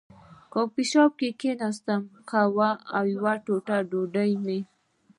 کافي شاپ کې کېناستم، قهوه او یوه ټوټه ډوډۍ مې.